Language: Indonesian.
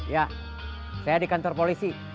ya saya di kantor polisi